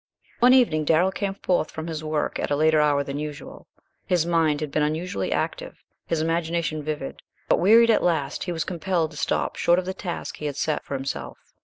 One evening Darrell came forth from his work at a later hour than usual. His mind had been unusually active, his imagination vivid, but, wearied at last, he was compelled to stop short of the task he had set for himself.